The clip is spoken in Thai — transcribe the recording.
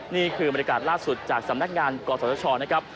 นี่คือบรรยากาศล่าสุดจากสำนักงานกศชนะครับ